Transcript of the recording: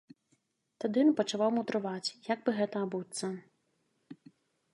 Тады ён пачаў мудраваць, як бы гэта абуцца.